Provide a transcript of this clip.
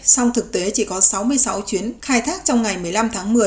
song thực tế chỉ có sáu mươi sáu chuyến khai thác trong ngày một mươi năm tháng một mươi